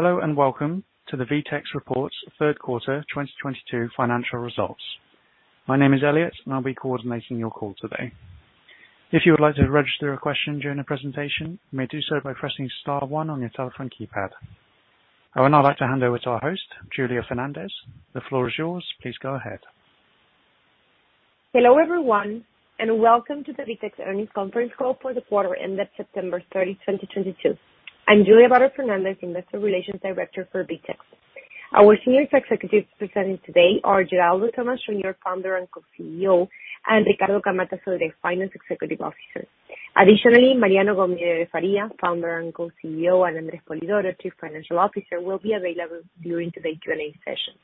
Hello, and welcome to the VTEX Third Quarter 2022 Financial Results. My name is Elliot, and I'll be coordinating your call today. If you would like to register a question during the presentation, you may do so by pressing star one on your telephone keypad. I would now like to hand over to our host, Julia Vater Fernández. The floor is yours. Please go ahead. Hello everyone and welcome to the VTEX Earnings conference call for the quarter ended September 30, 2022. I'm Julia Vater Fernández, Investor Relations Director for VTEX. Our senior executives presenting today are Geraldo Thomaz, Founder and Co-CEO, and Ricardo Camatta Sodré, Chief Financial Officer. Additionally, Mariano Gomide de Faria, Founder and Co-CEO, and Andre Spolidoro, Chief Financial Officer, will be available during today's Q&A session.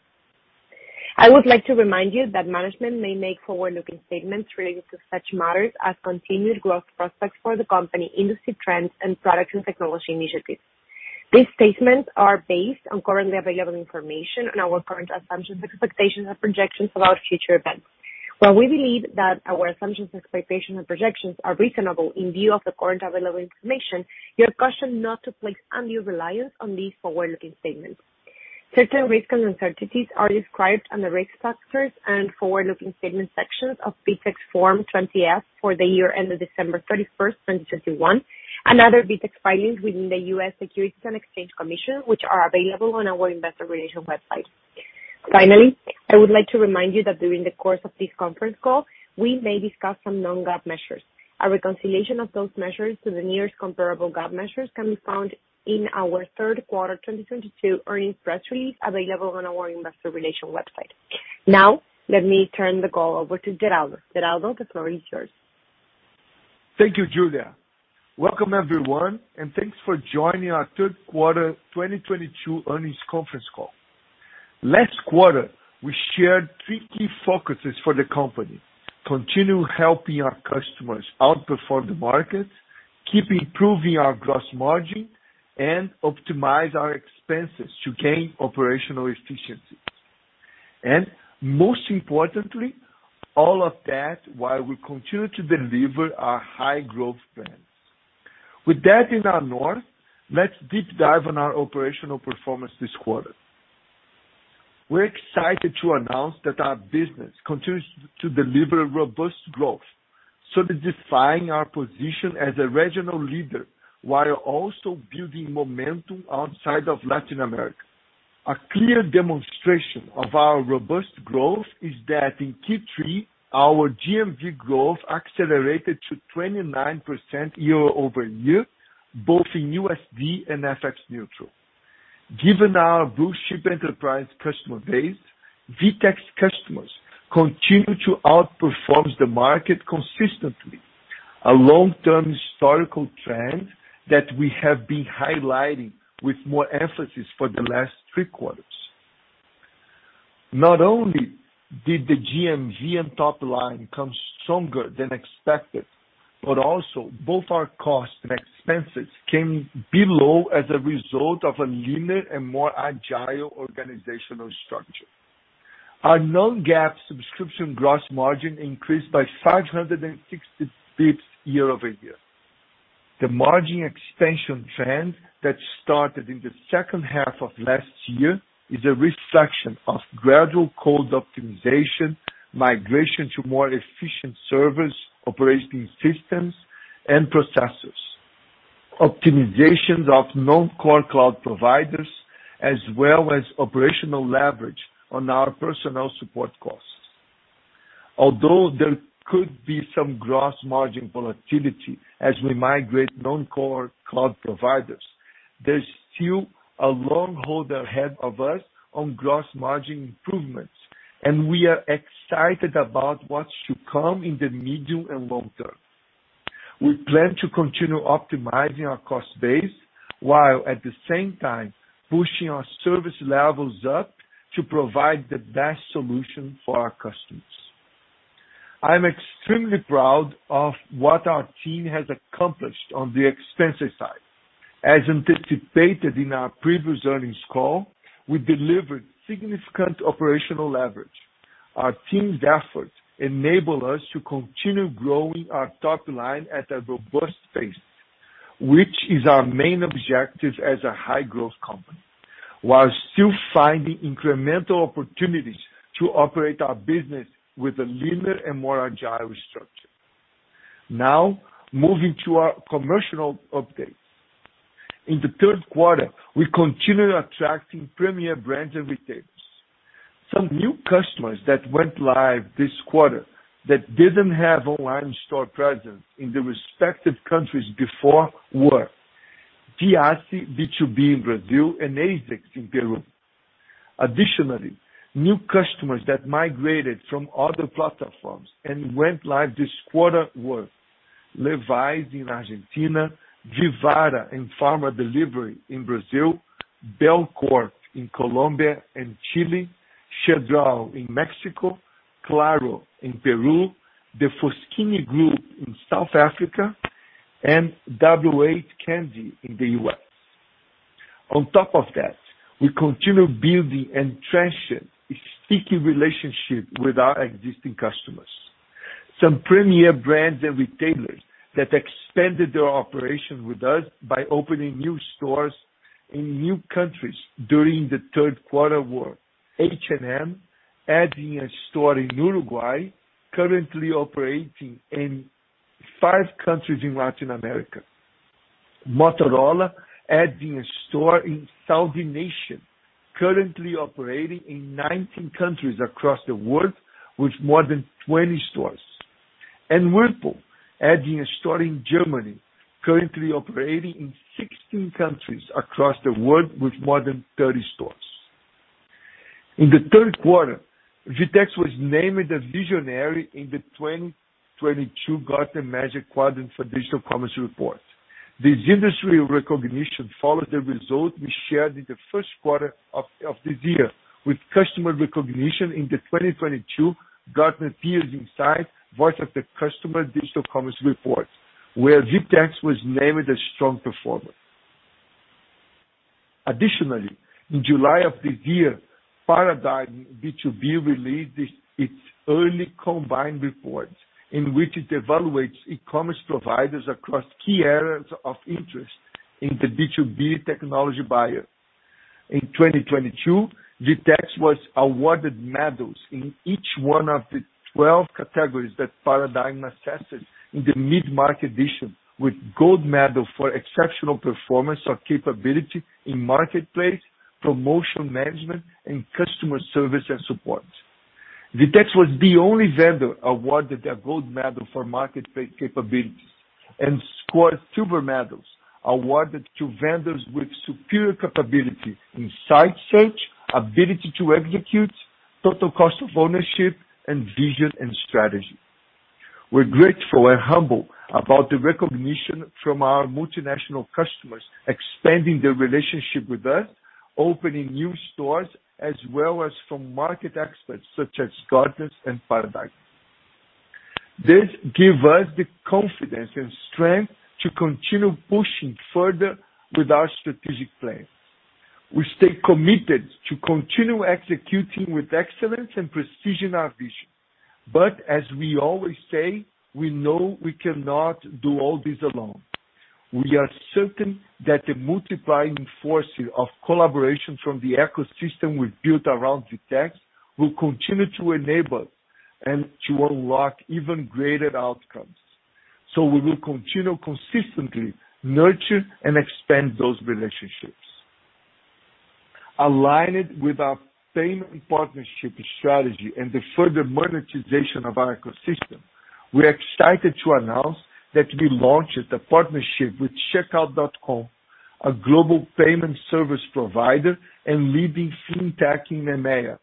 I would like to remind you that management may make forward-looking statements relating to such matters as continued growth prospects for the company, industry trends and products and technology initiatives. These statements are based on currently available information and our current assumptions, expectations and projections about future events. While we believe that our assumptions, expectations and projections are reasonable in view of the current available information, we caution not to place undue reliance on these forward-looking statements. Certain risks and uncertainties are described on the Risk Factors and Forward-Looking Statement sections of VTEX Form 20-F for the year ended December 31st, 2021, and other VTEX filings within the U.S. Securities and Exchange Commission, which are available on our investor relations website. Finally, I would like to remind you that during the course of this conference call, we may discuss some non-GAAP measures. A reconciliation of those measures to the nearest comparable GAAP measures can be found in our third quarter 2022 earnings press release available on our investor relations website. Now let me turn the call over to Geraldo. Geraldo, the floor is yours. Thank you Julia. Welcome, everyone, and thanks for joining our third quarter 2022 earnings conference call. Last quarter, we shared three key focuses for the company. Continue helping our customers outperform the market, keep improving our gross margin, and optimize our expenses to gain operational efficiencies. Most importantly, all of that while we continue to deliver our high growth plans. With that in our north, let's deep dive on our operational performance this quarter. We're excited to announce that our business continues to deliver robust growth, solidifying our position as a regional leader while also building momentum outside of Latin America. A clear demonstration of our robust growth is that in Q3, our GMV growth accelerated to 29% year-over-year, both in USD and FX neutral. Given our blue-chip enterprise customer base, VTEX customers continue to outperform the market consistently, a long-term historical trend that we have been highlighting with more emphasis for the last three quarters. Not only did the GMV and top line come stronger than expected, but also both our costs and expenses came below as a result of a leaner and more agile organizational structure. Our non-GAAP subscription gross margin increased by 560 basis points year-over-year. The margin expansion trend that started in the H2 of last year is a reflection of gradual code optimization, migration to more efficient servers, operating systems and processors, optimizations of non-core cloud providers, as well as operational leverage on our personnel support costs. Although there could be some gross margin volatility as we migrate non-core cloud providers, there's still a long road ahead of us on gross margin improvements, and we are excited about what should come in the medium and long term. We plan to continue optimizing our cost base, while at the same time pushing our service levels up to provide the best solution for our customers. I'm extremely proud of what our team has accomplished on the expenses side. As anticipated in our previous earnings call, we delivered significant operational leverage. Our team's efforts enable us to continue growing our top line at a robust pace, which is our main objective as a high-growth company, while still finding incremental opportunities to operate our business with a leaner and more agile structure. Now moving to our commercial update. In the third quarter, we continued attracting premier brands and retailers. Some new customers that went live this quarter that didn't have online store presence in the respective countries before were Fiesta B2B in Brazil and ASICS in Peru. Additionally, new customers that migrated from other platforms and went live this quarter were Levi's in Argentina, Vivara in pharma delivery in Brazil, Belcorp in Colombia and Chile, Chedraui in Mexico, Claro in Peru, The Foschini Group in South Africa, and Double H Candy in the U.S. On top of that, we continue building and strengthening sticky relationship with our existing customers. Some premier brands and retailers that expanded their operation with us by opening new stores in new countries during the third quarter were H&M, adding a store in Uruguay, currently operating in five countries in Latin America, Motorola adding a store in Saudi Arabia, currently operating in 19 countries across the world with more than 20 stores. Whirlpool adding a store in Germany, currently operating in 16 countries across the world with more than 30 stores. In the third quarter, VTEX was named a visionary in the 2022 Gartner Magic Quadrant for Digital Commerce report. This industry recognition follows the result we shared in the first quarter of this year with customer recognition in the 2022 Gartner Peer Insights Voice of the Customer digital commerce report, where VTEX was named a strong performer. Additionally, in July of this year, Paradigm B2B released its early combined reports, in which it evaluates e-commerce providers across key areas of interest in the B2B technology buyer. In 2022, VTEX was awarded medals in each one of the 12 categories that Paradigm assessed in the mid-market edition, with gold medal for exceptional performance or capability in marketplace, promotional management, and customer service and support. VTEX was the only vendor awarded a gold medal for marketplace capabilities and scored silver medals awarded to vendors with superior capability in site search, ability to execute, total cost of ownership, and vision and strategy. We're grateful and humble about the recognition from our multinational customers expanding their relationship with us, opening new stores, as well as from market experts such as Gartner and Paradigm. This give us the confidence and strength to continue pushing further with our strategic plan. We stay committed to continue executing with excellence and precision our vision. As we always say, we know we cannot do all this alone. We are certain that the multiplying forces of collaboration from the ecosystem we've built around VTEX will continue to enable and to unlock even greater outcomes. We will continue consistently nurture and expand those relationships. Aligned with our payment partnership strategy and the further monetization of our ecosystem, we're excited to announce that we launched a partnership with Checkout.com, a global payment service provider and leading fintech in EMEA,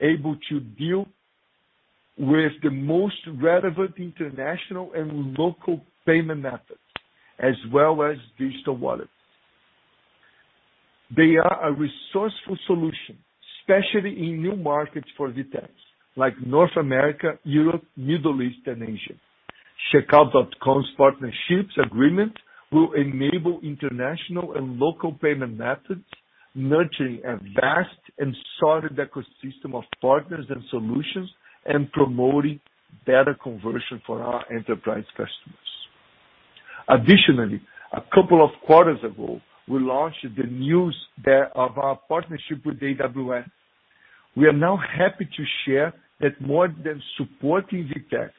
able to deal with the most relevant international and local payment methods as well as digital wallets. They are a resourceful solution, especially in new markets for VTEX, like North America, Europe, Middle East, and Asia. Checkout.com's partnership agreement will enable international and local payment methods, nurturing a vast and solid ecosystem of partners and solutions, and promoting better conversion for our enterprise customers. Additionally, a couple of quarters ago, we launched news of our partnership with AWS. We are now happy to share that more than supporting VTEX,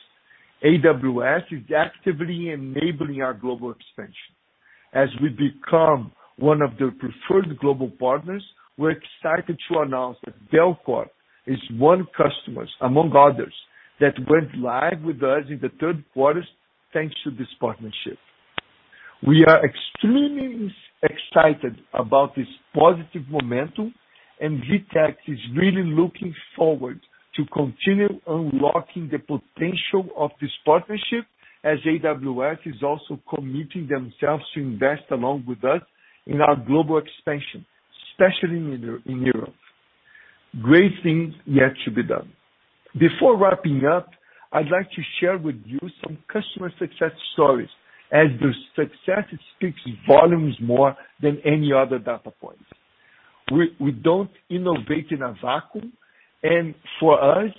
AWS is actively enabling our global expansion. As we become one of their preferred global partners, we're excited to announce that Belcorp is one customers, among others, that went live with us in the third quarter, thanks to this partnership. We are extremely excited about this positive momentum, and VTEX is really looking forward to continue unlocking the potential of this partnership as AWS is also committing themselves to invest along with us in our global expansion, especially in Europe. Great things yet to be done. Before wrapping up, I'd like to share with you some customer success stories as their success speaks volumes more than any other data points. We don't innovate in a vacuum, and for us,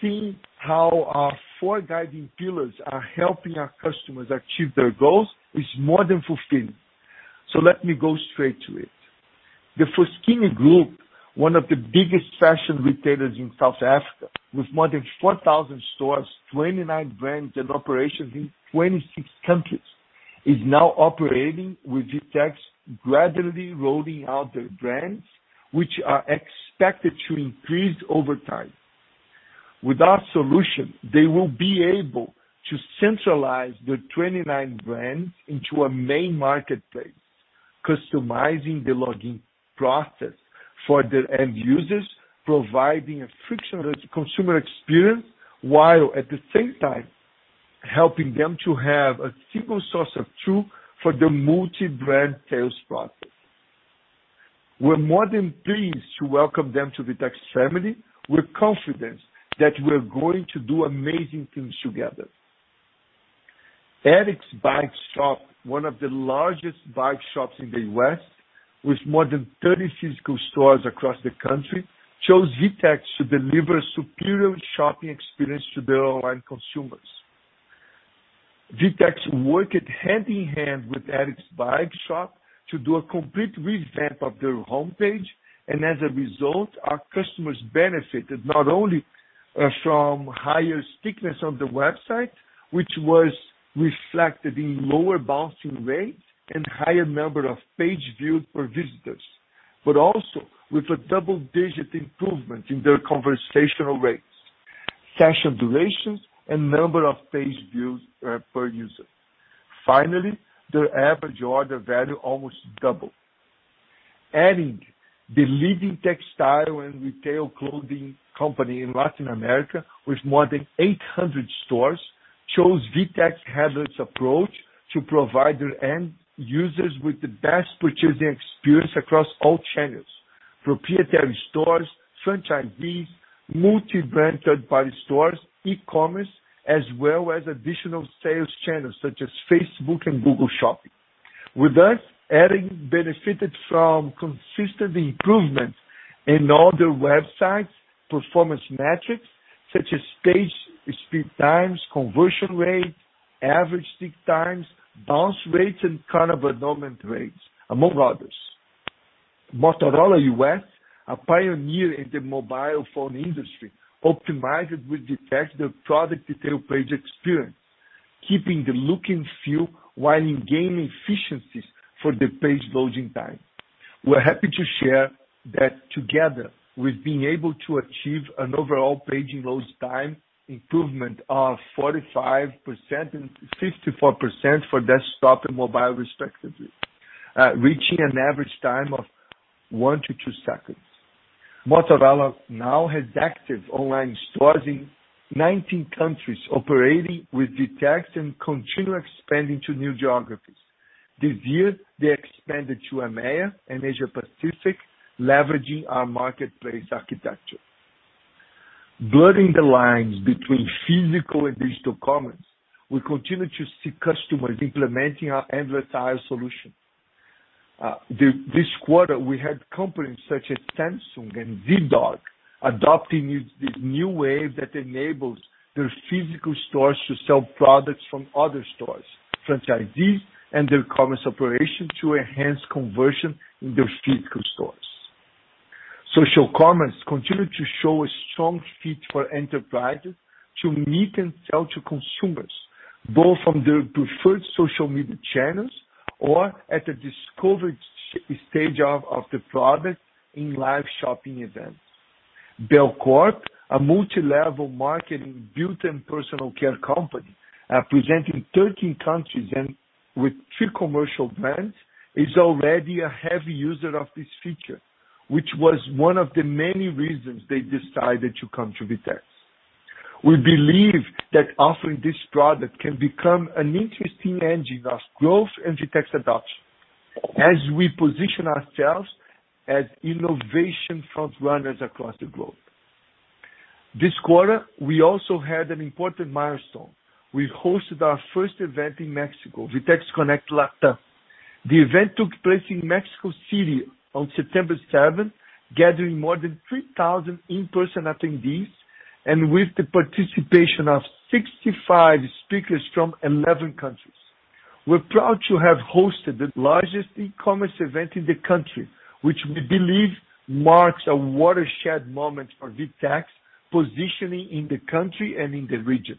seeing how our four guiding pillars are helping our customers achieve their goals is more than fulfilling. Let me go straight to it. The Foschini Group, one of the biggest fashion retailers in South Africa, with more than 4,000 stores, 29 brands, and operations in 26 countries, is now operating with VTEX gradually rolling out their brands, which are expected to increase over time. With our solution, they will be able to centralize their 29 brands into a main marketplace, customizing the login process for their end users, providing a frictionless consumer experience, while at the same time helping them to have a single source of truth for their multi-brand sales process. We're more than pleased to welcome them to VTEX family. We're confident that we're going to do amazing things together. ERIK'S Bike Board & Ski, one of the largest bike shops in the U.S. with more than 30 physical stores across the country, chose VTEX to deliver superior shopping experience to their online consumers. VTEX worked hand in hand with ERIK'S Bike Board & Ski to do a complete revamp of their homepage, and as a result, our customers benefited not only from higher stickiness of the website, which was reflected in lower bounce rates and higher number of page views per visitors, but also with a double-digit improvement in their conversion rates, session durations, and number of page views per user. Finally, their average order value almost doubled. Adding, the leading textile and retail clothing company in Latin America with more than 800 stores, chose VTEX headless approach to provide their end users with the best purchasing experience across all channels. Proprietary stores, franchisees, multi-branded stores, e-commerce, as well as additional sales channels such as Facebook and Google Shopping. With us, Adding benefited from consistent improvement in all their websites' performance metrics such as page speed times, conversion rate, average stick times, bounce rates, and cart abandonment rates, among others. Motorola U.S., a pioneer in the mobile phone industry, optimized with VTEX the product detail page experience, keeping the look and feel while achieving efficiencies for the page loading time. We're happy to share that together we've been able to achieve an overall page load time improvement of 45% and 54% for desktop and mobile respectively, reaching an average time of one to two seconds. Motorola now has active online stores in 19 countries operating with VTEX and continue expanding to new geographies. This year, they expanded to EMEA and Asia Pacific, leveraging our marketplace architecture. Blurring the lines between physical and digital commerce, we continue to see customers implementing our Endless Aisle solution. This quarter, we had companies such as Samsung and ZAGG adopting this new way that enables their physical stores to sell products from other stores, franchisees, and their commerce operations to enhance conversion in their physical stores. Social commerce continued to show a strong fit for enterprises to meet and sell to consumers, both from their preferred social media channels or at the discovery stage of the product in live shopping events. Belcorp, a multilevel marketing beauty and personal care company, present in 13 countries and with three commercial brands, is already a heavy user of this feature, which was one of the many reasons they decided to come to VTEX. We believe that offering this product can become an interesting engine for growth and VTEX adoption as we position ourselves as innovation frontrunners across the globe. This quarter, we also had an important milestone. We hosted our first event in Mexico, VTEX Connect LATAM. The event took place in Mexico City on September seventh, gathering more than 3,000 in-person attendees and with the participation of 65 speakers from 11 countries. We're proud to have hosted the largest e-commerce event in the country, which we believe marks a watershed moment for VTEX positioning in the country and in the region.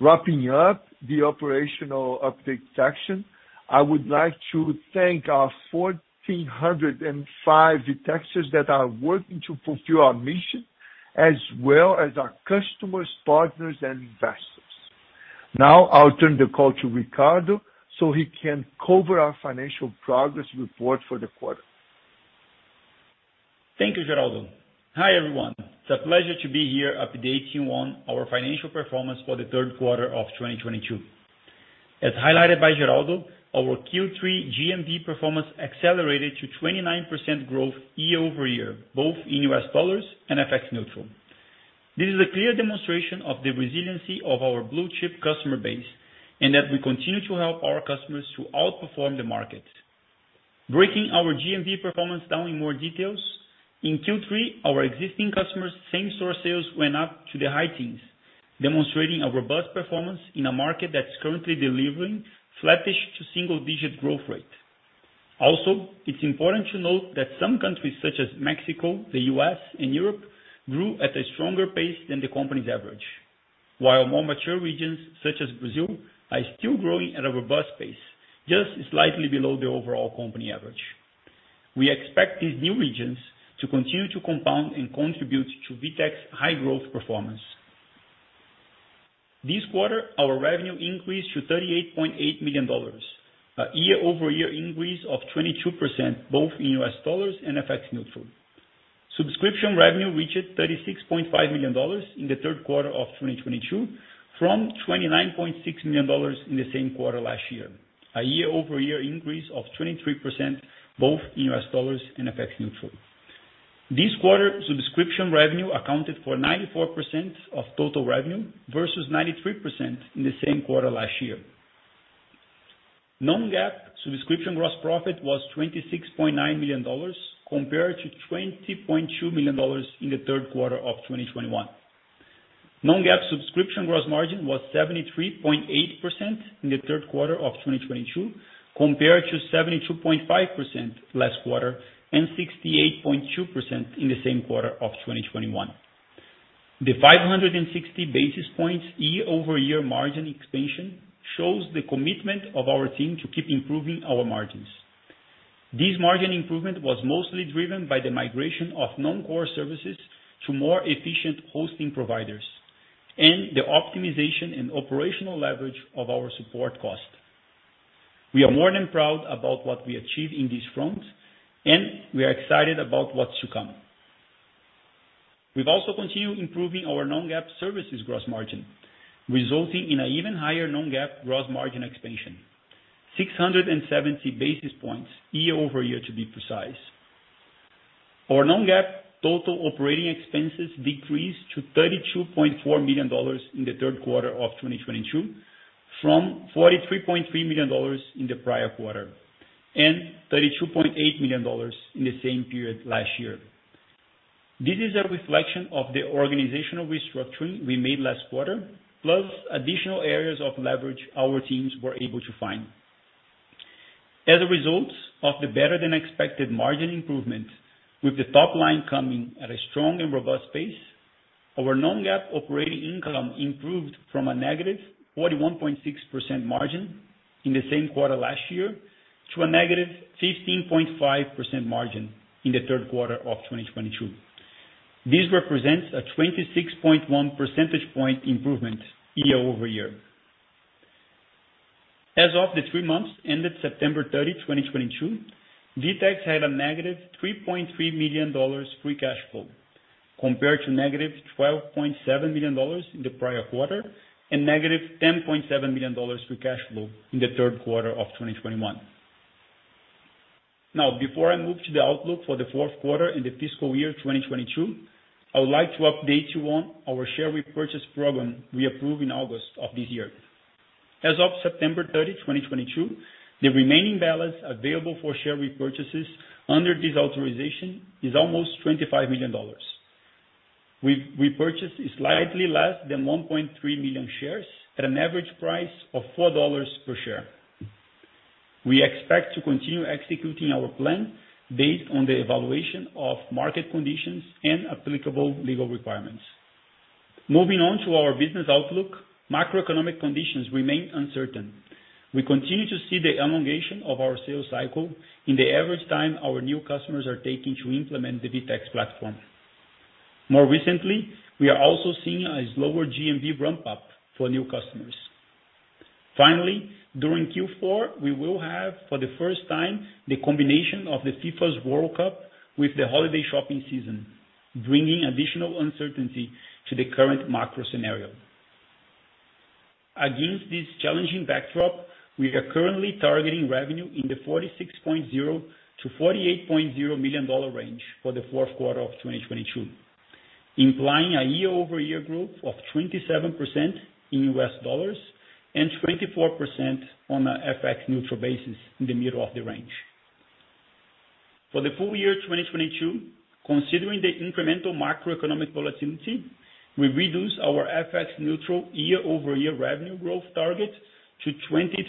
Wrapping up the operational update section, I would like to thank our 1,405 VTEXers that are working to fulfill our mission as well as our customers, partners, and investors. Now I'll turn the call to Ricardo so he can cover our financial progress report for the quarter. Thank you Geraldo. Hi everyone. It's a pleasure to be here updating you on our financial performance for the third quarter of 2022. As highlighted by Geraldo, our Q3 GMV performance accelerated to 29% growth year-over-year, both in U.S. dollars and FX neutral. This is a clear demonstration of the resiliency of our blue-chip customer base, and that we continue to help our customers to outperform the market. Breaking our GMV performance down in more details, in Q3 our existing customers' same-store sales went up to the high teens, demonstrating a robust performance in a market that's currently delivering flattish to single-digit growth rate. Also, it's important to note that some countries such as Mexico, the U.S., and Europe grew at a stronger pace than the company's average. While more mature regions such as Brazil are still growing at a robust pace, just slightly below the overall company average. We expect these new regions to continue to compound and contribute to VTEX's high growth performance. This quarter, our revenue increased to $38.8 million, a year-over-year increase of 22% both in U.S. dollars and FX neutral. Subscription revenue reached $36.5 million in the third quarter of 2022 from $29.6 million in the same quarter last year, a year-over-year increase of 23% both in U.S. dollars and FX neutral. This quarter, subscription revenue accounted for 94% of total revenue versus 93% in the same quarter last year. Non-GAAP subscription gross profit was $26.9 million compared to $20.2 million in the third quarter of 2021. Non-GAAP subscription gross margin was 73.8% in the third quarter of 2022, compared to 72.5% last quarter and 68.2% in the same quarter of 2021. The 560 basis points year-over-year margin expansion shows the commitment of our team to keep improving our margins. This margin improvement was mostly driven by the migration of non-core services to more efficient hosting providers and the optimization and operational leverage of our support cost. We are more than proud about what we achieved in these fronts, and we are excited about what's to come. We've also continued improving our non-GAAP services gross margin, resulting in an even higher non-GAAP gross margin expansion, 670 basis points year-over-year, to be precise. Our non-GAAP total operating expenses decreased to $32.4 million in the third quarter of 2022, from $43.3 million in the prior quarter and $32.8 million in the same period last year. This is a reflection of the organizational restructuring we made last quarter, plus additional areas of leverage our teams were able to find. As a result of the better than expected margin improvement, with the top line coming at a strong and robust pace, our non-GAAP operating income improved from a -41.6% margin in the same quarter last year to a -15.5% margin in the third quarter of 2022. This represents a 26.1 percentage point improvement year-over-year. As of the three months ended September 30, 2022, VTEX had a negative $3.3 million free cash flow compared to negative $12.7 million in the prior quarter and negative $10.7 million free cash flow in the third quarter of 2021. Now, before I move to the outlook for the fourth quarter in the fiscal year 2022, I would like to update you on our share repurchase program we approved in August of this year. As of September 30, 2022, the remaining balance available for share repurchases under this authorization is almost $25 million. We purchased slightly less than 1.3 million shares at an average price of $4 per share. We expect to continue executing our plan based on the evaluation of market conditions and applicable legal requirements. Moving on to our business outlook. Macroeconomic conditions remain uncertain. We continue to see the elongation of our sales cycle in the average time our new customers are taking to implement the VTEX platform. More recently, we are also seeing a slower GMV ramp up for new customers. Finally, during Q4, we will have for the first time the combination of the FIFA World Cup with the holiday shopping season, bringing additional uncertainty to the current macro scenario. Against this challenging backdrop, we are currently targeting revenue in the $46.0 million-$48.0 million range for the fourth quarter of 2022, implying a 27% year-over-year growth in U.S. dollars and 24% on a FX neutral basis in the middle of the range. For the full year 2022, considering the incremental macroeconomic volatility, we reduce our FX neutral year-over-year revenue growth target to 23%-24%,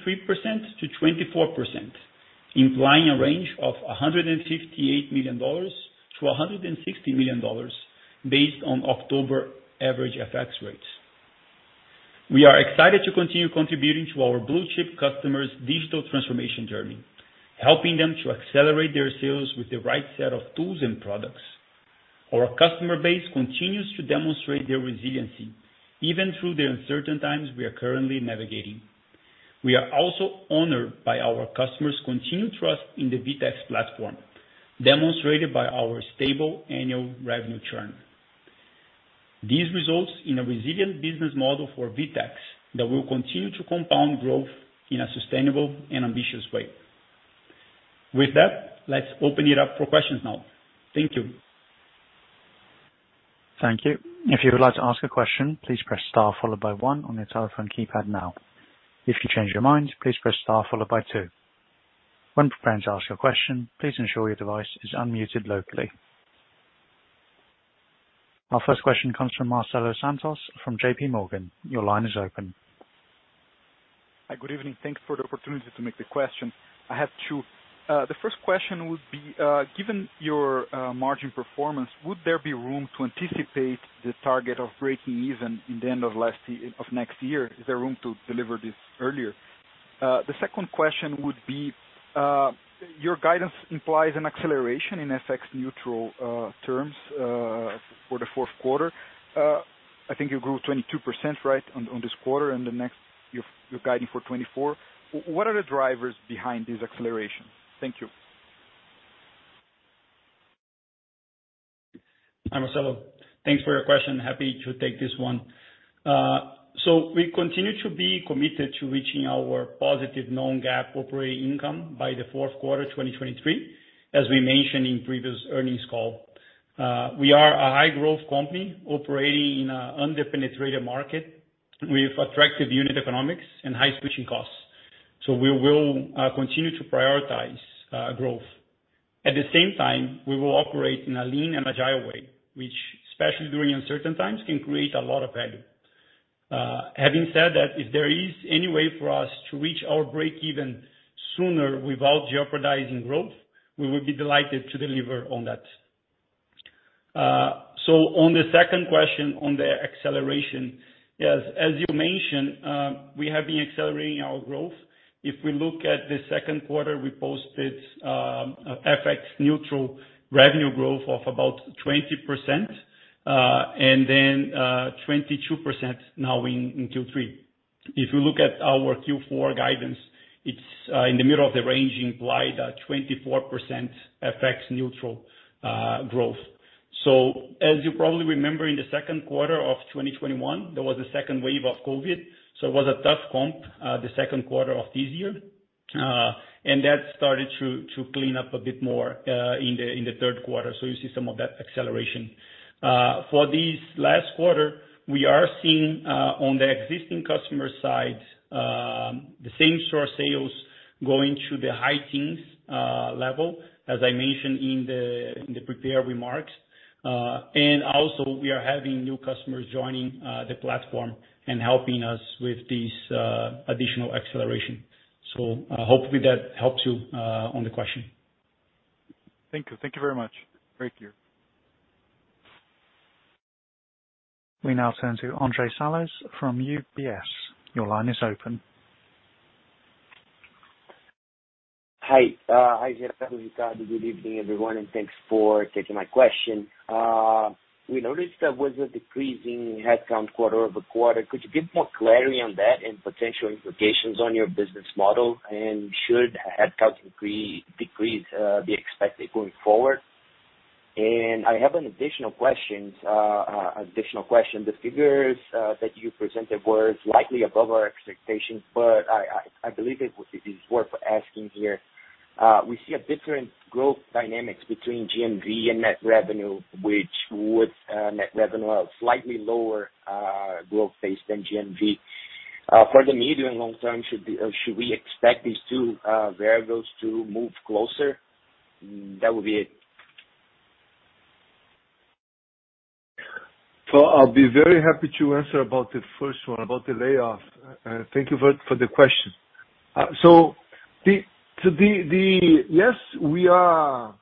implying a range of $158 million-$160 million based on October average FX rates. We are excited to continue contributing to our blue-chip customers digital transformation journey, helping them to accelerate their sales with the right set of tools and products. Our customer base continues to demonstrate their resiliency even through the uncertain times we are currently navigating. We are also honored by our customers continued trust in the VTEX platform, demonstrated by our stable annual revenue churn. This results in a resilient business model for VTEX that will continue to compound growth in a sustainable and ambitious way. With that, let's open it up for questions now. Thank you. Thank you. If you would like to ask a question, please press star followed by one on your telephone keypad now. If you change your mind, please press star followed by two. When preparing to ask your question, please ensure your device is unmuted locally. Our first question comes from Marcelo Santos from JPMorgan. Your line is open. Hi. Good evening. Thanks for the opportunity to make the question. I have two. The first question would be, given your margin performance, would there be room to anticipate the target of breaking even in the end of next year? Is there room to deliver this earlier? The second question would be, your guidance implies an acceleration in FX neutral terms for the fourth quarter. I think you grew 22% right on this quarter and the next year you're guiding for 24%. What are the drivers behind this acceleration? Thank you. Hi Marcelo thanks for your question. Happy to take this one. We continue to be committed to reaching our positive non-GAAP operating income by the fourth quarter of 2023, as we mentioned in previous earnings call. We are a high growth company operating in an under-penetrated market with attractive unit economics and high switching costs. We will continue to prioritize growth. At the same time, we will operate in a lean and agile way, which, especially during uncertain times, can create a lot of value. Having said that, if there is any way for us to reach our break-even sooner without jeopardizing growth, we will be delighted to deliver on that. On the second question on the acceleration, yes, as you mentioned, we have been accelerating our growth. If we look at the second quarter, we posted FX neutral revenue growth of about 20%, and then 22% now in Q3. If you look at our Q4 guidance, it's in the middle of the range implied a 24% FX neutral growth. As you probably remember, in the second quarter of 2021, there was a second wave of COVID, so it was a tough comp the second quarter of this year. That started to clean up a bit more in the third quarter. You see some of that acceleration. For this last quarter, we are seeing on the existing customer side the same-store sales going to the high teens level as I mentioned in the prepared remarks. Also we are having new customers joining the platform and helping us with this additional acceleration. Hopefully that helps you on the question. Thank you. Thank you very much. Great year. We now turn to Andre Salles from UBS. Your line is open. Hi. Hi Geraldo, Ricardo. Good evening everyone and thanks for taking my question. We noticed there was a decreasing headcount quarter-over-quarter. Could you give more clarity on that and potential implications on your business model? Should headcount decrease be expected going forward? I have an additional question. The figures that you presented were slightly above our expectations, but I believe it is worth asking here. We see a different growth dynamics between GMV and net revenue, which with net revenue a slightly lower growth pace than GMV. For the medium long term, should we expect these two variables to move closer? That would be it. I'll be very happy to answer about the first one about the layoff. Thank you for the question. Yes, we are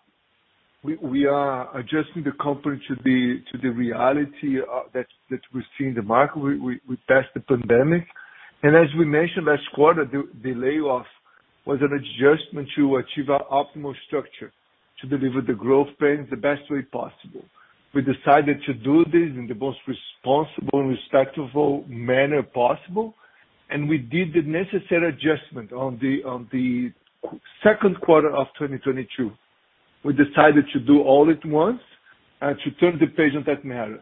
adjusting the company to the reality that we see in the market. We passed the pandemic. As we mentioned last quarter, the layoff was an adjustment to achieve our optimal structure to deliver the growth plan the best way possible. We decided to do this in the most responsible and respectful manner possible, and we did the necessary adjustment on the second quarter of 2022. We decided to do all at once and to turn the page on that matter.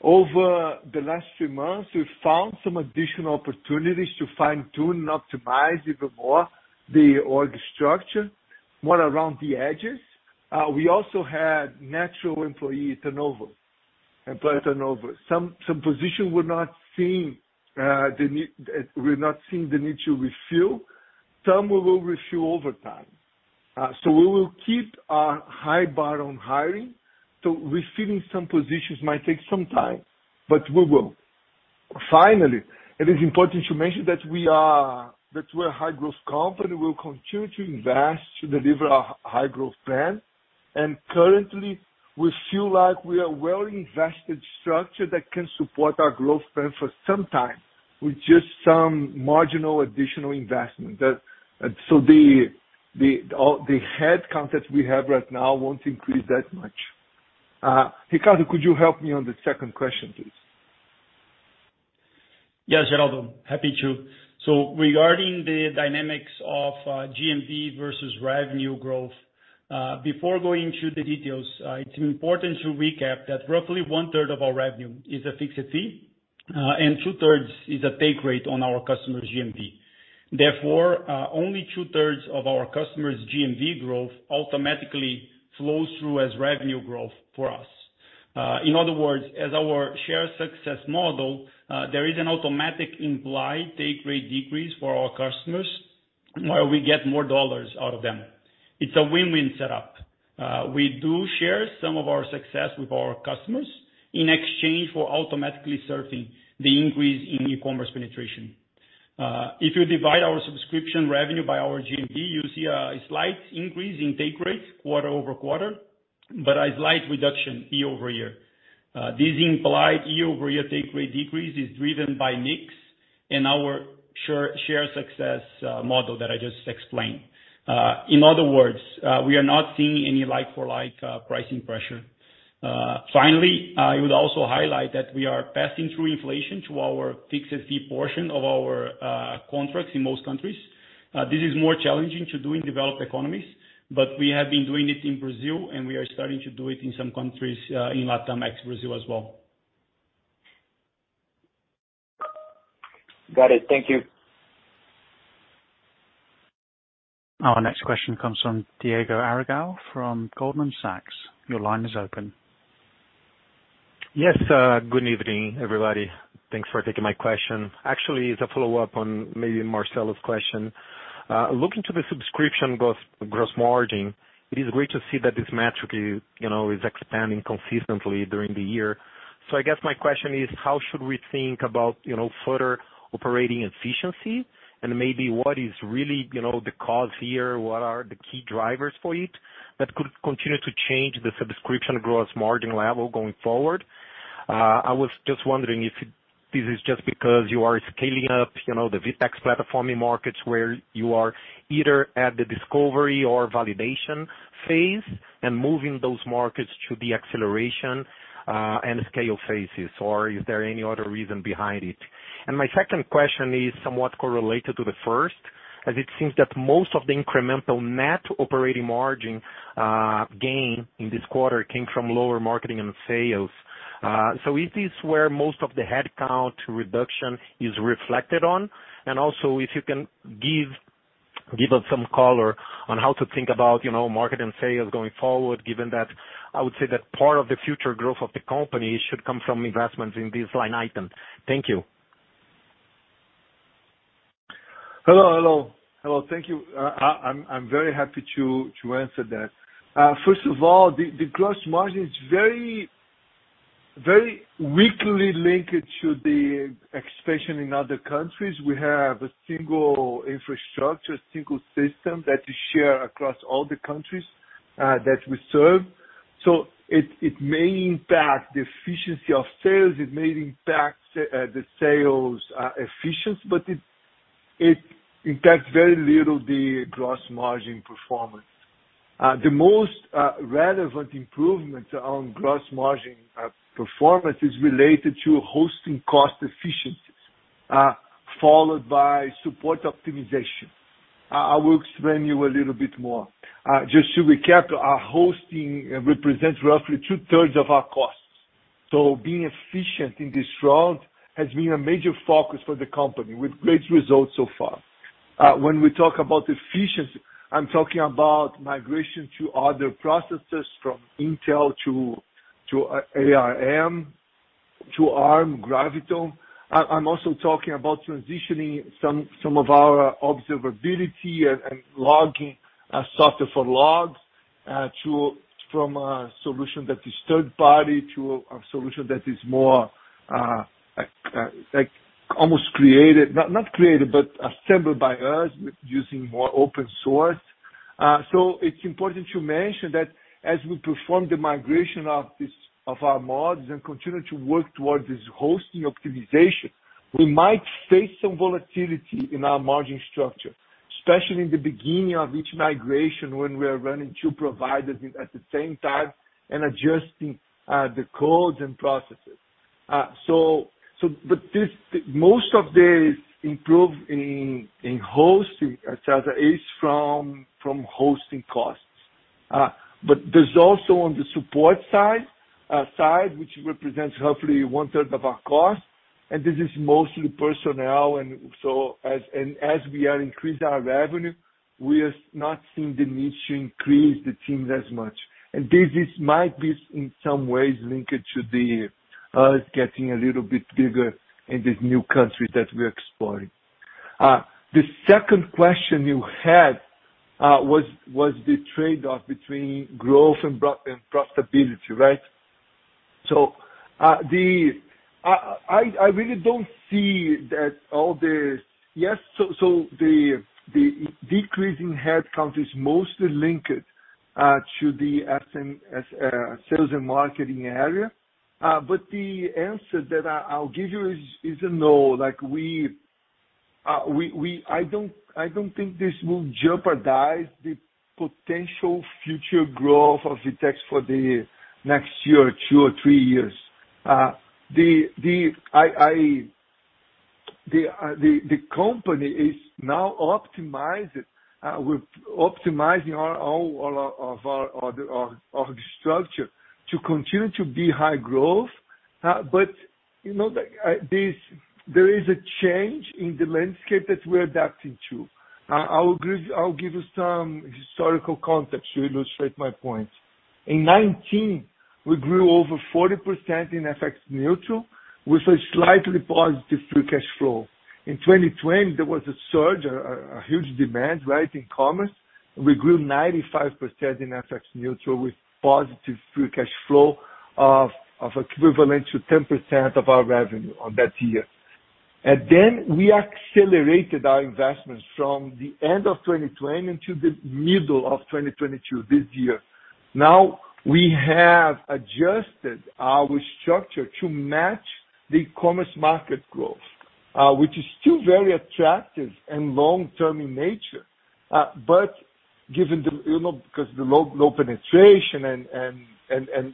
Over the last three months, we've found some additional opportunities to fine-tune and optimize even more the org structure, more around the edges. We also had natural employee turnover. Some positions we're not seeing the need to refill. Some we will refill over time. We will keep our high bar on hiring. Refilling some positions might take some time, but we will. It is important to mention that we're a high-growth company. We will continue to invest to deliver our high growth plan. Currently we feel like we are well invested structure that can support our growth plan for some time with just some marginal additional investment. The head count that we have right now won't increase that much. Ricardo, could you help me on the second question, please? Yes, Geraldo. Happy to. Regarding the dynamics of GMV versus revenue growth, before going into the details, it's important to recap that roughly 1/3 of our revenue is a fixed fee, and 2/3 is a take rate on our customer's GMV. Therefore, only 2/3 of our customers' GMV growth automatically flows through as revenue growth for us. In other words, as our share-of-success model, there is an automatic implied take rate decrease for our customers while we get more dollars out of them. It's a win-win setup. We do share some of our success with our customers in exchange for automatically surfing the increase in e-commerce penetration. If you divide our subscription revenue by our GMV, you see a slight increase in take rate quarter-over-quarter, but a slight reduction year-over-year. This implied year-over-year take rate decrease is driven by mix and our share success model that I just explained. In other words, we are not seeing any like-for-like pricing pressure. Finally, I would also highlight that we are passing through inflation to our fixed fee portion of our contracts in most countries. This is more challenging to do in developed economies, but we have been doing it in Brazil, and we are starting to do it in some countries in LatAm, Brazil as well. Got it. Thank you. Our next question comes from Diego Aragão from Goldman Sachs. Your line is open. Yes. Good evening everybody. Thanks for taking my question. Actually, it's a follow-up on maybe Marcelo's question. Looking to the subscription gross margin, it is great to see that this metric is, you know, expanding consistently during the year. I guess my question is, how should we think about, you know, further operating efficiency and maybe what is really, you know, the cause here, what are the key drivers for it that could continue to change the subscription gross margin level going forward? I was just wondering if this is just because you are scaling up, you know, the VTEX platform in markets where you are either at the discovery or validation phase and moving those markets to the acceleration and scale phases, or is there any other reason behind it? My second question is somewhat correlated to the first, as it seems that most of the incremental net operating margin gain in this quarter came from lower marketing and sales. Is this where most of the headcount reduction is reflected on? Also if you can give us some color on how to think about, you know, market and sales going forward, given that I would say that part of the future growth of the company should come from investments in this line item. Thank you. Hello. Hello thank you. I'm very happy to answer that. First of all, the gross margin is very weakly linked to the expansion in other countries. We have a single infrastructure, single system that is shared across all the countries that we serve. It may impact the efficiency of sales, it may impact the sales efficiency, but it impacts very little the gross margin performance. The most relevant improvements on gross margin performance is related to hosting cost efficiencies, followed by support optimization. I will explain to you a little bit more. Just to recap, our hosting represents roughly two-thirds of our costs. Being efficient in this area has been a major focus for the company with great results so far. When we talk about efficiency, I'm talking about migration to other processors from Intel to ARM to AWS Graviton. I'm also talking about transitioning some of our observability and logging software for logs from a solution that is third party to a solution that is more like almost created. Not created, but assembled by us using more open source. It's important to mention that as we perform the migration of our models and continue to work towards this hosting optimization, we might face some volatility in our margin structure, especially in the beginning of each migration when we are running two providers at the same time and adjusting the codes and processes. But most of this improvement in hosting itself is from hosting costs. There's also on the support side, which represents roughly 1/3 of our cost, and this is mostly personnel. As we are increasing our revenue, we are not seeing the need to increase the teams as much. This might be in some ways linked to us getting a little bit bigger in this new country that we're exploring. The second question you had was the trade-off between growth and profitability, right? The decrease in headcount is mostly linked to the S&M sales and marketing area. The answer that I'll give you is a no. I don't think this will jeopardize the potential future growth of VTEX for the next year or two or three years. The company is now optimized with optimizing our structure to continue to be high growth. You know, like, there is a change in the landscape that we're adapting to. I'll give you some historical context to illustrate my point. In 2019, we grew over 40% in FX neutral with a slightly positive free cash flow. In 2020, there was a surge, a huge demand, right, in commerce. We grew 95% in FX neutral with positive free cash flow equivalent to 10% of our revenue on that year. We accelerated our investments from the end of 2020 into the middle of 2022, this year. Now, we have adjusted our structure to match the e-commerce market growth, which is still very attractive and long-term in nature. Given the, you know, because the low penetration and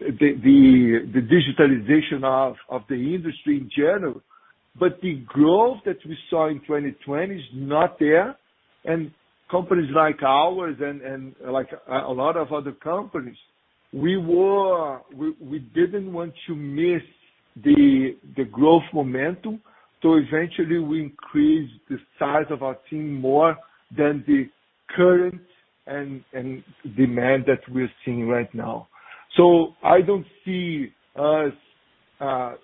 the digitalization of the industry in general. The growth that we saw in 2020 is not there. Companies like ours and like a lot of other companies, we didn't want to miss the growth momentum. Eventually we increased the size of our team more than the current and demand that we're seeing right now. I don't see us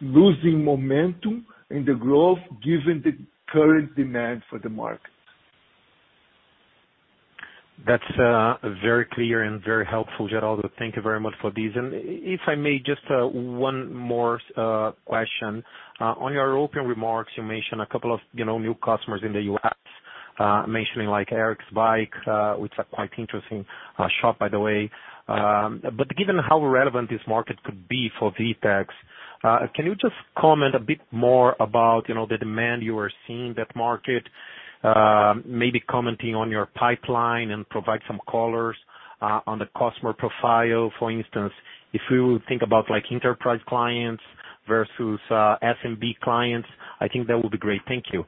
losing momentum in the growth given the current demand for the market. That's very clear and very helpful, Geraldo Thomaz. Thank you very much for this. If I may just one more question. On your opening remarks, you mentioned a couple of, you know, new customers in the U.S., mentioning like Erik's Bike Board & Ski, which are quite interesting shop, by the way. But given how relevant this market could be for VTEX, can you just comment a bit more about, you know, the demand you are seeing in that market, maybe commenting on your pipeline and provide some colors, on the customer profile, for instance, if you think about like enterprise clients versus SMB clients? I think that would be great. Thank you.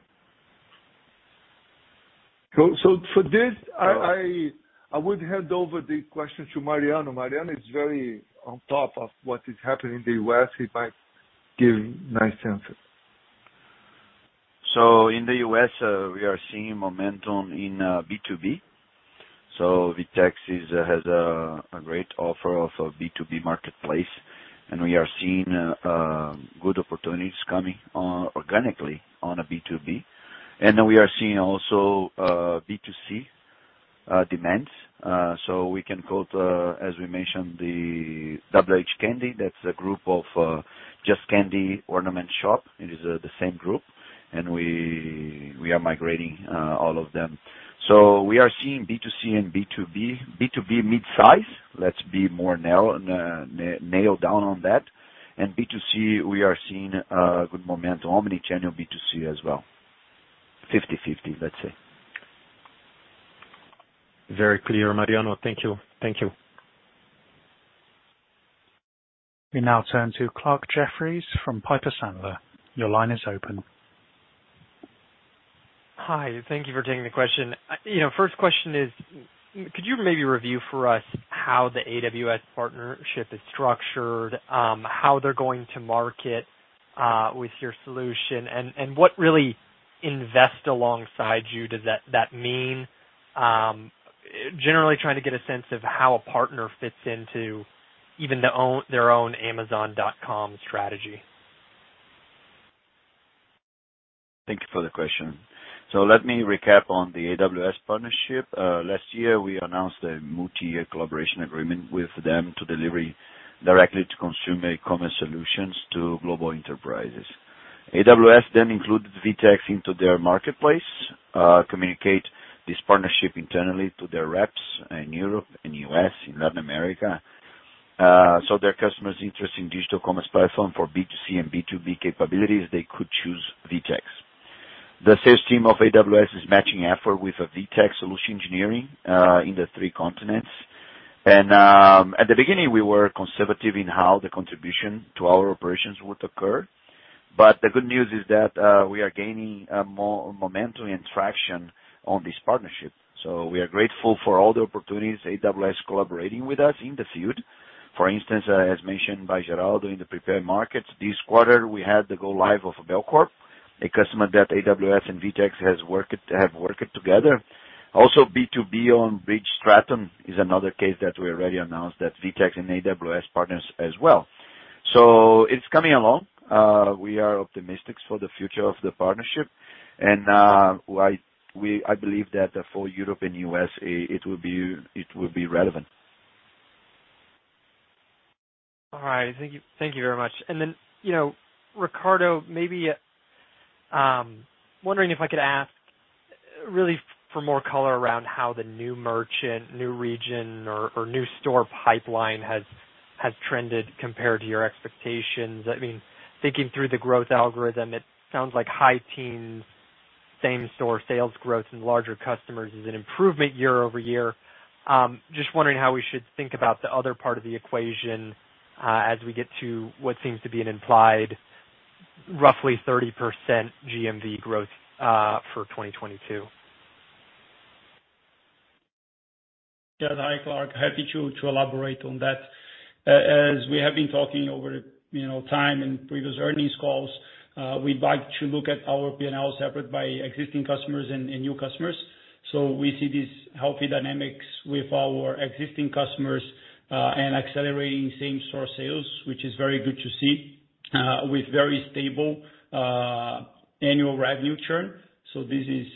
For this, I would hand over the question to Mariano. Mariano is very on top of what is happening in the U.S. He might give nice answers. In the U.S., We are seeing momentum in B2B. VTEX has a great offer of a B2B marketplace, and we are seeing good opportunities coming organically on a B2B. We are seeing also B2C demands. We can quote, as we mentioned, the Double H Candy, that's a group of Just Candy Ornament Shop. It is the same group. We are migrating all of them. We are seeing B2C and B2B. B2B midsize. Let's be more nailed down on that. B2C, we are seeing good momentum. Omnichannel B2C as well. 50-50, let's say. Very clear Mariano. Thank you. Thank you. We now turn to Clarke Jeffries from Piper Sandler. Your line is open. Hi. Thank you for taking the question. You know, first question is, could you maybe review for us how the AWS partnership is structured, how they're going to market with your solution, and what really invest alongside you does that mean? Generally trying to get a sense of how a partner fits into even their own Amazon.com strategy. Thank you for the question. Let me recap on the AWS partnership. Last year, we announced a multi-year collaboration agreement with them to deliver directly to consumer e-commerce solutions to global enterprises. AWS then included VTEX into their marketplace, communicated this partnership internally to their reps in Europe, in U.S., in Latin America. Their customers interested in digital commerce platform for B2C and B2B capabilities could choose VTEX. The sales team of AWS is matching effort with a VTEX solution engineering in the three continents. At the beginning, we were conservative in how the contribution to our operations would occur. The good news is that we are gaining more momentum and traction on this partnership. We are grateful for all the opportunities AWS collaborating with us in the field. For instance, as mentioned by Geraldo in the prepared remarks, this quarter we had to go live with Belcorp, a customer that AWS and VTEX have worked together. Also B2B on Bridgestone is another case that we already announced that VTEX and AWS partners as well. It's coming along. We are optimistic for the future of the partnership. I believe that for Europe and U.S., it will be relevant. All right. Thank you. Thank you very much. You know, Ricardo, maybe wondering if I could ask really for more color around how the new merchant, new region or new store pipeline has trended compared to your expectations. I mean, thinking through the growth algorithm, it sounds like high-teens same-store sales growth and larger customers is an improvement year-over-year. Just wondering how we should think about the other part of the equation, as we get to what seems to be an implied roughly 30% GMV growth for 2022. Yeah. Hi Clarke. Happy to elaborate on that. As we have been talking over time in previous earnings calls, we'd like to look at our P&L separate by existing customers and new customers. We see these healthy dynamics with our existing customers and accelerating same-store sales, which is very good to see with very stable annual revenue churn. This is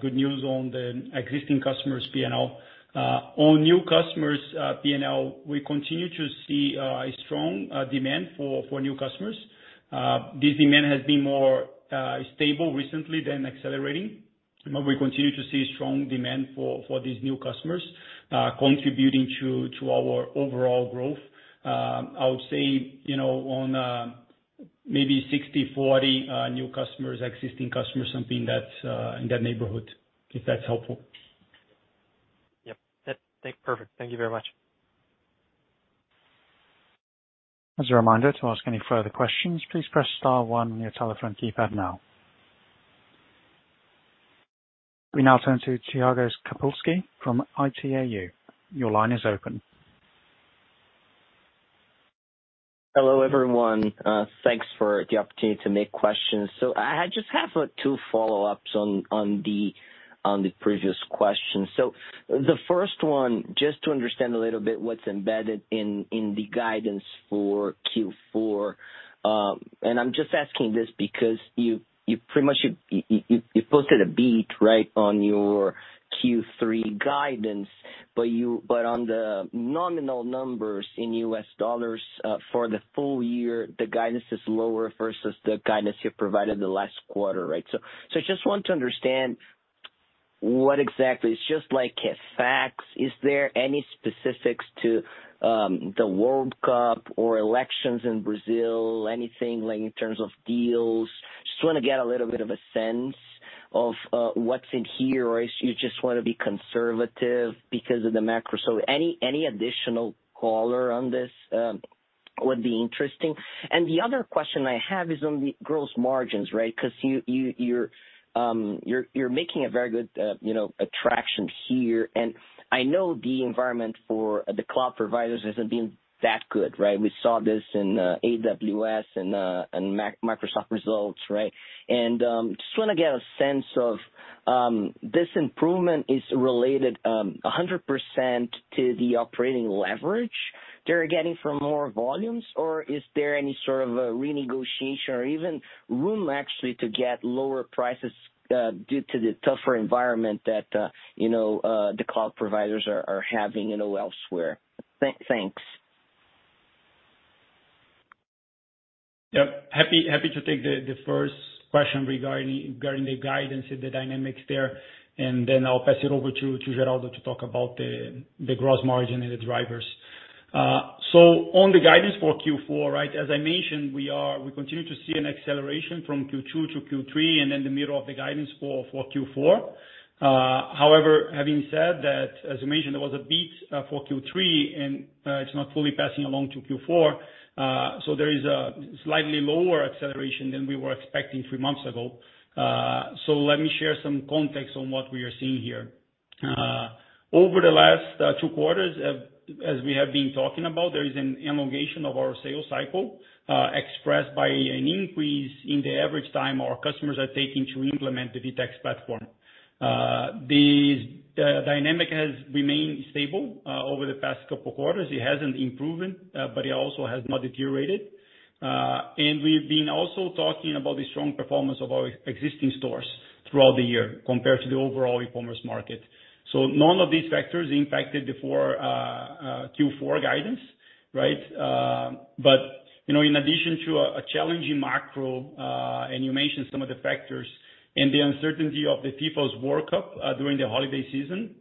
good news on the existing customers' P&L. On new customers P&L, we continue to see a strong demand for new customers. This demand has been more stable recently than accelerating. We continue to see strong demand for these new customers contributing to our overall growth. I would say on maybe 60/40, new customers, existing customers, something that's in that neighborhood, if that's helpful. Yep. That's perfect. Thank you very much. As a reminder, to ask any further questions, please press star one on your telephone keypad now. We now turn to Thiago Kapulskis from Itaú. Your line is open. Hello everyone. Thanks for the opportunity to ask questions. I just have two follow-ups on the previous question. The first one, just to understand a little bit what's embedded in the guidance for Q4. I'm just asking this because you pretty much posted a beat, right, on your Q3 guidance. On the nominal numbers in U.S. dollars, for the full year, the guidance is lower versus the guidance you provided the last quarter, right? Just want to understand what exactly. It's just like FX. Is there any specifics to the World Cup or elections in Brazil, anything like in terms of deals? Just want to get a little bit of a sense of what's in here, or if you just want to be conservative because of the macro. Any additional color on this would be interesting. The other question I have is on the gross margins, right? Because you're making a very good, you know, traction here. I know the environment for the cloud providers hasn't been that good, right? We saw this in AWS and Microsoft results, right? Just want to get a sense of this improvement is related 100% to the operating leverage they're getting from more volumes, or is there any sort of a renegotiation or even room actually to get lower prices due to the tougher environment that, you know, the cloud providers are having, you know, elsewhere? Thanks. Yep. Happy to take the first question regarding the guidance and the dynamics there, and then I'll pass it over to Geraldo to talk about the gross margin and the drivers. On the guidance for Q4, right? As I mentioned, we continue to see an acceleration from Q2-Q3 and then the middle of the guidance for Q4. However, having said that, as you mentioned, there was a beat for Q3 and it's not fully passing along to Q4. There is a slightly lower acceleration than we were expecting three months ago. Let me share some context on what we are seeing here. Over the last two quarters, as we have been talking about, there is an elongation of our sales cycle, expressed by an increase in the average time our customers are taking to implement the VTEX platform. The dynamic has remained stable over the past couple quarters. It hasn't improved, but it also has not deteriorated. We've been also talking about the strong performance of our existing stores throughout the year compared to the overall e-commerce market. None of these factors impacted Q4 guidance, right? You know, in addition to a challenging macro, and you mentioned some of the factors and the uncertainty of the FIFA World Cup during the holiday season,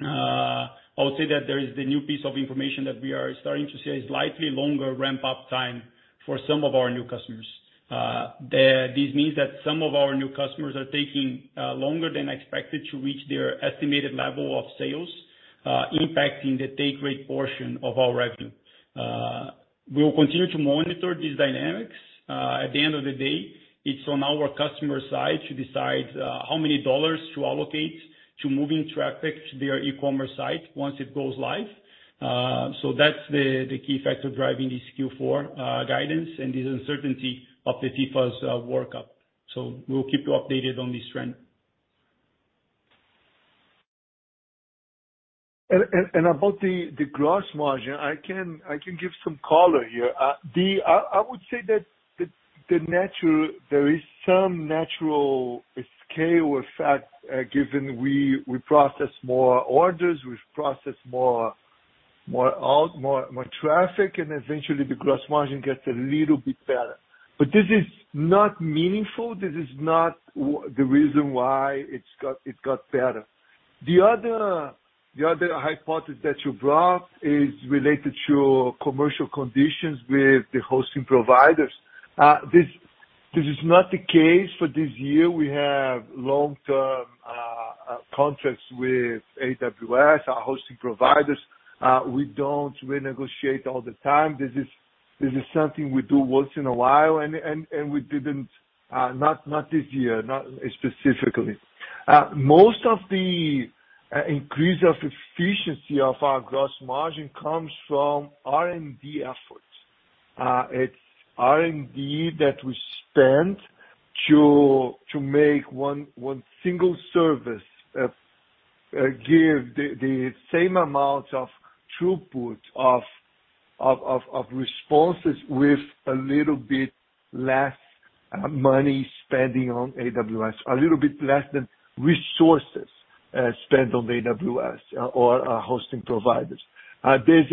I would say that there is the new piece of information that we are starting to see a slightly longer ramp-up time for some of our new customers. This means that some of our new customers are taking longer than expected to reach their estimated level of sales, impacting the take rate portion of our revenue. We will continue to monitor these dynamics. At the end of the day, it's on our customer side to decide how many dollars to allocate to moving traffic to their e-commerce site once it goes live. That's the key factor driving this Q4 guidance and this uncertainty of the FIFA World Cup. We'll keep you updated on this trend. About the gross margin, I can give some color here. I would say that there is some natural scale effect given we process more orders, we process more traffic, and eventually the gross margin gets a little bit better. This is not meaningful. This is not the reason why it got better. The other hypothesis that you brought is related to commercial conditions with the hosting providers. This is not the case for this year. We have long-term contracts with AWS, our hosting providers. We don't renegotiate all the time. This is something we do once in a while, and we didn't, not this year, not specifically. Most of the increase of efficiency of our gross margin comes from R&D efforts. It's R&D that we spend to make one single service give the same amount of throughput of responses with a little bit less money spending on AWS. A little bit less resources spent on AWS or our hosting providers. This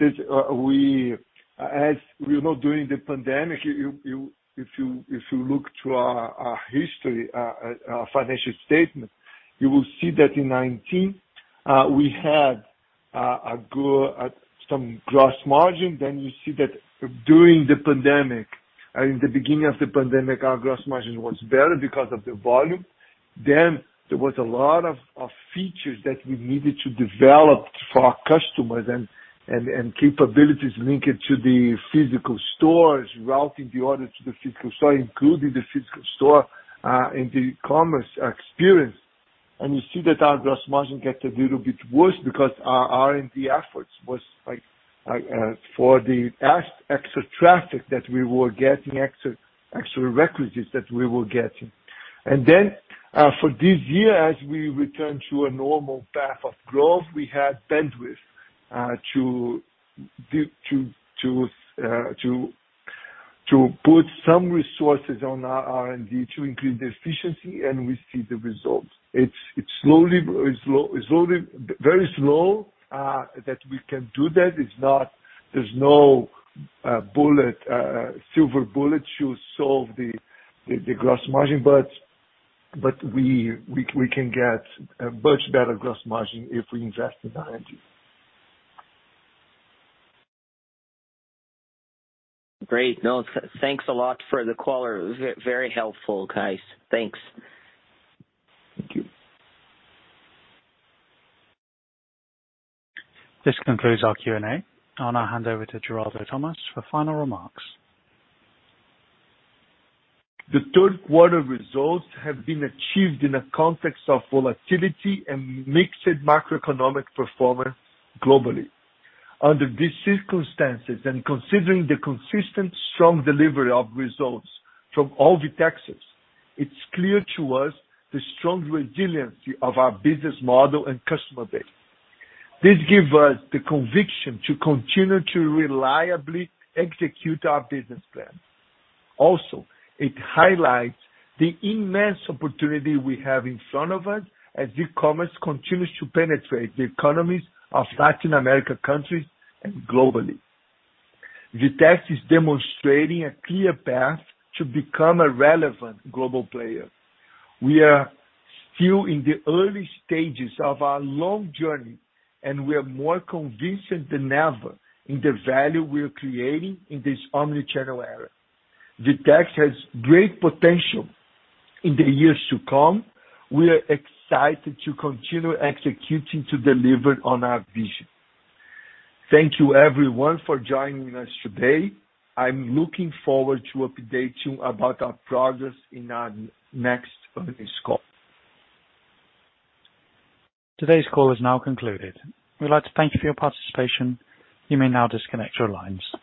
is, as we know during the pandemic, if you look to our history, our financial statement, you will see that in 2019 we had a good gross margin. You see that during the pandemic, in the beginning of the pandemic, our gross margin was better because of the volume. There was a lot of features that we needed to develop for our customers and capabilities linked to the physical stores, routing the order to the physical store, including the physical store in the commerce experience. You see that our gross margin gets a little bit worse because our R&D efforts was like for the extra traffic that we were getting, extra requisites that we were getting. For this year, as we return to a normal path of growth, we have bandwidth to put some resources on our R&D to increase the efficiency, and we see the results. It's slowly. Very slow that we can do that. There's no silver bullet to solve the gross margin, but we can get a much better gross margin if we invest in R&D. Great. No, thanks a lot for the color. Very helpful, guys. Thanks. Thank you. This concludes our Q&A. I'll now hand over to Geraldo Thomaz for final remarks. The third quarter results have been achieved in a context of volatility and mixed macroeconomic performance globally. Under these circumstances, and considering the consistent strong delivery of results from all the VTEXes, it's clear to us the strong resiliency of our business model and customer base. This give us the conviction to continue to reliably execute our business plan. Also, it highlights the immense opportunity we have in front of us as e-commerce continues to penetrate the economies of Latin America countries and globally. VTEX is demonstrating a clear path to become a relevant global player. We are still in the early stages of our long journey, and we are more convinced than ever in the value we are creating in this omnichannel era. VTEX has great potential in the years to come. We are excited to continue executing to deliver on our vision. Thank you everyone for joining us today. I'm looking forward to updating about our progress in our next earnings call. Today's call is now concluded. We'd like to thank you for your participation. You may now disconnect your lines.